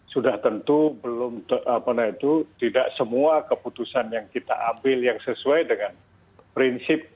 sudah tentu belum tidak semua keputusan yang kita ambil yang sesuai dengan prinsip